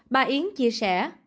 bà yến chia sẻ